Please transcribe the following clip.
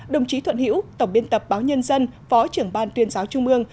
đồng chí thuận hữu tổng biên tập báo nhân dân phó trưởng ban tuyên giáo trung mương